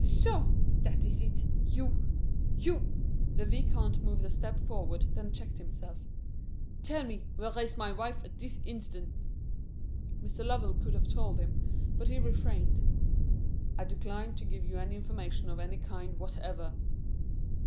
"So! That is it! You you " The Vicomte moved a step forward, then checked himself. "Tell me, where is my wife at this instant?" Mr. Lovell could have told him, but he refrained. "I decline to give you any information of any kind whatever."